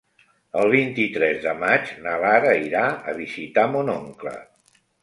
El vint-i-tres de maig na Lara irà a visitar mon oncle.